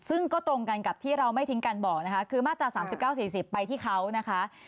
ซึ่งก็ตรงกันกับที่เราไม่ทิ้งกันบอกนะคะคือมาตรา๓๙๔๐ไปที่เขานะคะ